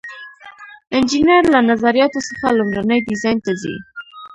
انجینر له نظریاتو څخه لومړني ډیزاین ته ځي.